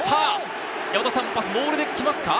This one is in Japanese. まずモールできますか？